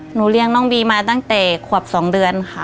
เลี้ยงน้องบีมาตั้งแต่ขวบ๒เดือนค่ะ